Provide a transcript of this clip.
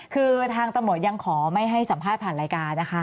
คือทางตำรวจยังขอไม่ให้สัมภาษณ์ผ่านรายการนะคะ